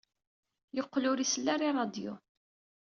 Yeqqel ur isell ara i ṛṛadyu.